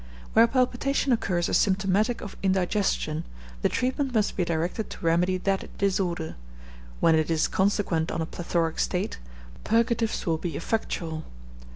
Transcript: Where palpitation occurs as symptomatic of indigestion, the treatment must be directed to remedy that disorder; when it is consequent on a plethoric state, purgatives will be effectual.